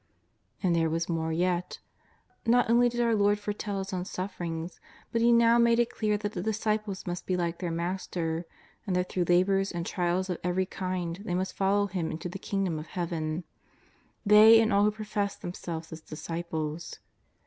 And there was more yet. "Not only did our Lord foretell His own sufferings, but He now made it clear that the disciples must be like their Master and that through labours and trials of every kind they must fol low Him into the Kingdom of Heaven — they and all who professed themselves His disciples.